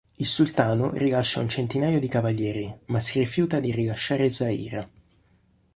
Il sultano rilascia un centinaio di cavalieri, ma si rifiuta di rilasciare Zaira.